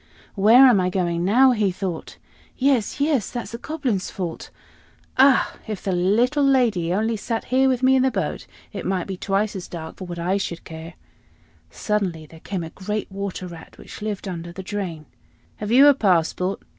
"Where am I going now?" he thought. "Yes, yes, that's the Goblin's fault. Ah! if the little lady only sat here with me in the boat, it might be twice as dark for what I should care." Suddenly there came a great Water Rat, which lived under the drain. "Have you a passport?"